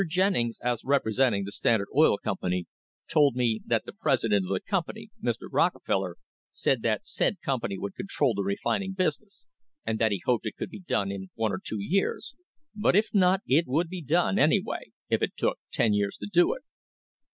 Jennings, as representing the Standard Oil Company, told me that the president of the company, Mr. Rockefeller, said that said company would control the refining business, and that he hoped it could be done in one or two years; but if not, it would be done, anyway, if it took ten years to do it.